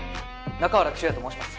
中原忠也と申します。